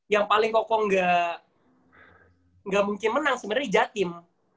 yang paling wong wong gak ng quit menang sebenernya itu jatim